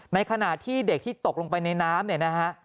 ในขณะที่เด็กที่ตกลงไปในน้ำเนี่ยนะฮะ